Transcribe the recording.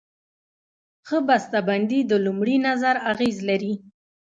ښه بسته بندي د لومړي نظر اغېز لري.